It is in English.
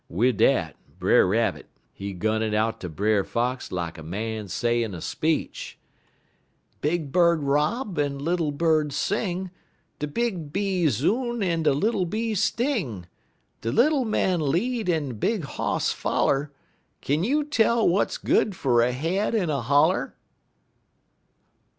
Wid dat, Brer Rabbit, he gun it out ter Brer Fox lak a man sayin' a speech: "'_Big bird rob en little bird sing, De big bee zoon en little bee sting, De little man lead en big hoss foller Kin you tell w'at's good fer a head in a holler?